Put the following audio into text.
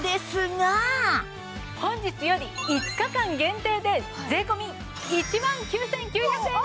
本日より５日間限定で税込１万９９００円です！